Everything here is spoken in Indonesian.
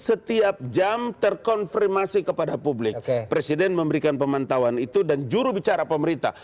setiap jam terkonfirmasi kepada publik presiden memberikan pemantauan itu dan jurubicara pemerintah